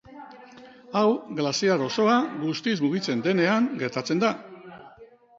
Hau glaziar osoa guztiz mugitzen denean gertatzen da.